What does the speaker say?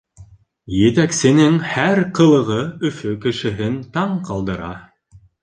Етәксенең һәр ҡылығы Өфө кешеһен таң ҡалдыра.